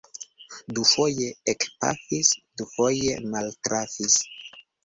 Dufoje ekpafis; dufoje maltrafis.